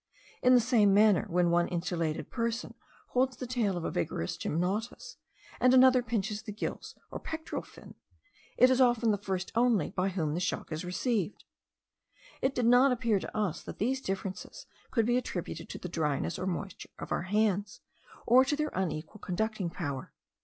In the same manner, when one insulated person holds the tail of a vigorous gymnotus, and another pinches the gills or pectoral fin, it is often the first only by whom the shock is received. It did not appear to us that these differences could be attributed to the dryness or moisture of our hands, or to their unequal conducting power.